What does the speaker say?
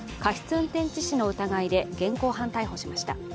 運転致死の疑いで現行犯逮捕しました。